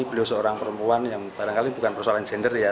beliau seorang perempuan yang barangkali bukan persoalan gender ya